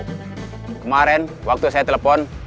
kemarin waktu saya telepon